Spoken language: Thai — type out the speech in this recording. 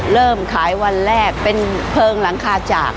เริ่มขายวันแรกเป็นเพลิงหลังคาจาก